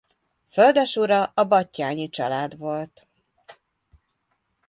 Földesura a Batthyány-család volt.